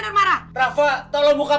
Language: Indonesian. yaudah aku kejar lu ya